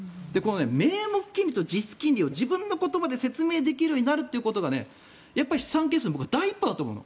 名目金利と実質金利を自分の言葉で説明できるようになるのが資産形成の第一歩だと思うの。